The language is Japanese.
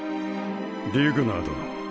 リュグナー殿。